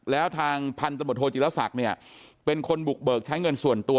แล้วทางพันธบทโทจิลศักดิ์เนี่ยเป็นคนบุกเบิกใช้เงินส่วนตัว